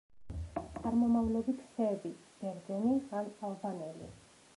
წარმომავლობით სერბი, ბერძენი ან ალბანელი.